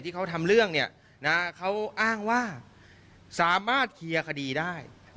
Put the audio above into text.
บอกเขาก็แขชนตราจะอ้างเพื่อเคียงคดีนะคะ